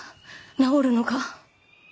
治るのか。